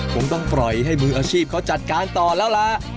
คงต้องปล่อยให้มืออาชีพเขาจัดการต่อแล้วล่ะ